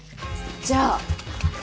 じゃあ。